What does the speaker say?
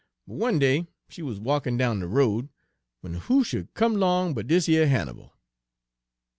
But one day she wuz walkin' down de road, w'en who sh'd come 'long but dis yer Hannibal.